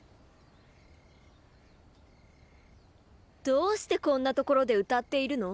どうしてこんなところで歌っているの？